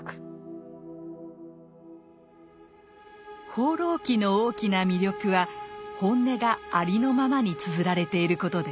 「放浪記」の大きな魅力は本音がありのままにつづられていることです。